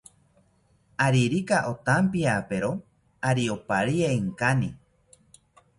Aririka otampiapero, ari oparie inkani